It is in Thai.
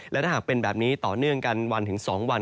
และถ้าหากเป็นแบบนี้ต่อเนื่องกันวันถึง๒วัน